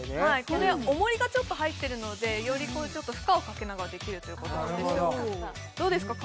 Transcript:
これおもりがちょっと入ってるのでより負荷をかけながらできるということなんですよどうですか？